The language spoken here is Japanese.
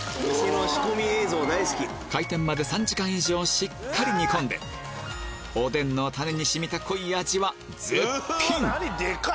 開店まで３時間以上しっかり煮込んでおでんのタネに染みた濃い味は絶品！